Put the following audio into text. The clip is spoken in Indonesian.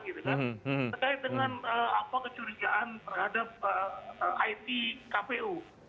terkait dengan kecurigaan terhadap it kpu